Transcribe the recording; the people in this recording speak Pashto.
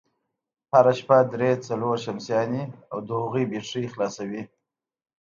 هره شپه درې، څلور شمسيانې او د هغوی بېټرۍ خلاصوي،